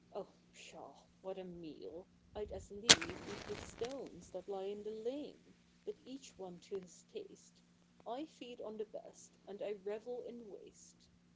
" 0, pshaw ! what a meal ! I'd as leave eat the stones 128 THE COUSINS. That lie in the lane ; but each one to his taste ; I feed on the best, and I revel in waste.